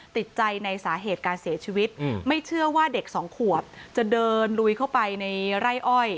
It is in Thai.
ติดใจในสาเหตุการเสียชีวิตไม่เชื่อว่าเด็กสองขวบจะเดินลุยเข้าไปในไร่อ้อย